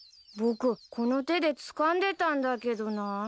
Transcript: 僕この手でつかんでたんだけどな。